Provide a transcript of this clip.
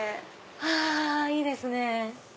はぁいいですね。